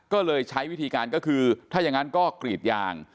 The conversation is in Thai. ก็เลยใช้วิธีการก็คือถ้าอย่างนั้นก็กรีดยาง